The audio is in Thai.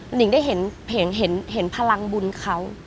หนิงได้เห็นพลังบุญเขา